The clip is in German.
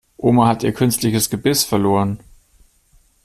Oma hat ihr künstliches Gebiss verloren.